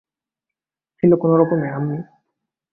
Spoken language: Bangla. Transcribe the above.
ছিল কোনোরকম, আম্মি।